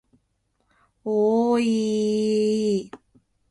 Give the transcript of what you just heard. おおおいいいいいい